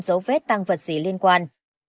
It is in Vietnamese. dấu vết tăng vật gì liên quan